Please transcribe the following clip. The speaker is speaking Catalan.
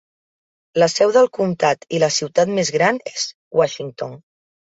La seu del comtat i la ciutat més gran és Washington.